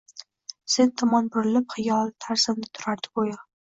Sen tomon burilib, xiyol tazimda turardi go’yo